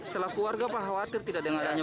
setelah keluarga pak khawatir tidak dengar nyobot